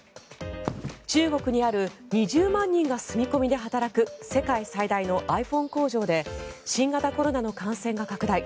中国にある２０万人が住み込みで働く世界最大のｉＰｈｏｎｅ工場で新型コロナの感染が拡大。